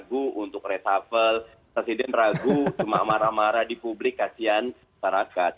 kalau presiden ragu untuk resafel presiden ragu cuma marah marah di publik kasihan masyarakat